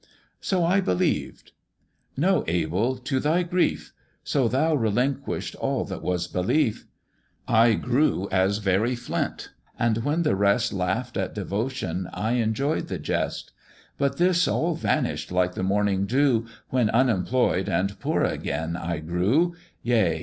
So I believed:" No, Abel! to thy grief: So thou relinquish'dst all that was belief: "I grew as very flint, and when the rest Laugh'd at devotion, I enjoy'd the jest; But this all vanish'd like the morning dew, When unemploy'd, and poor again I grew; Yea!